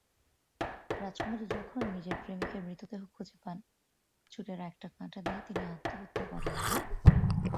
রাজকুমারী যখন নিজের প্রেমিকের মৃতদেহ খুঁজে পান চুলের একটা কাঁটা দিয়ে তিনি আত্মহত্যা করেন।